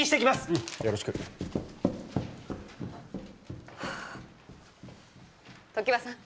うんよろしく常盤さん